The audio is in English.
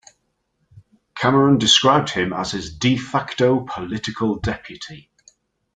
Cameron described him as his "de facto" political deputy".